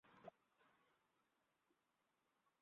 কারণ এটা অদ্ভূত, বব।